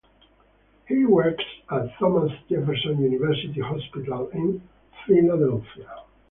He works at Thomas Jefferson University Hospital in Philadelphia.